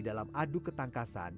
dalam adu ketangkasan